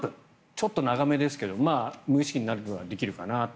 ちょっと長めですが無意識になるぐらいまでできるかなと。